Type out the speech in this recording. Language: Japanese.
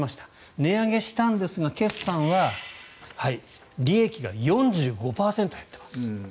値上げしたんですが決算は利益が４５％減ってます。